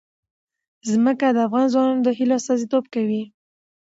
ځمکه د افغان ځوانانو د هیلو استازیتوب کوي.